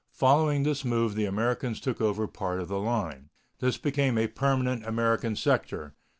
Following this move the Americans took over part of the line. This became a permanent American sector.